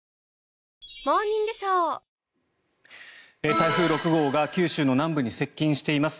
台風６号が九州の南部に接近しています。